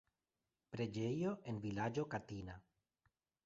Preĝejo en vilaĝo Katina.